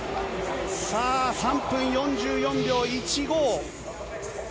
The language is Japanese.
３分４４秒１５。